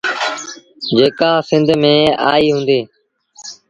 جيڪآ سنڌ ميݩ آئيٚ هُݩدي۔